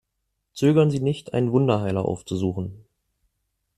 Zögern Sie nicht, einen Wunderheiler aufzusuchen!